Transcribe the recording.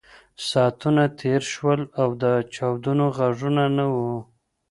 ساعتونه تېر شول او د چاودنو غږونه نه وو